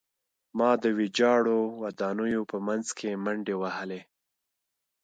ما د ویجاړو ودانیو په منځ کې منډې وهلې